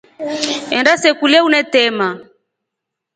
Enda se kulya unetrema.